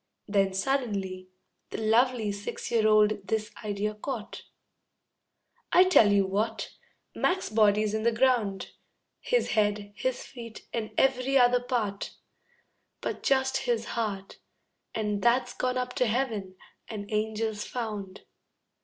Then suddenly The lovely six year old this idea caught: "I tell you what, Mac's body's in the ground; His head, his feet, and every other part, But just his heart And that's gone up to heaven, and angels found."